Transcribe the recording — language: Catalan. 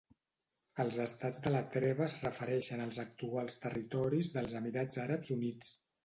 Els Estats de la Treva es refereixen als actuals territoris dels Emirats Àrabs Units.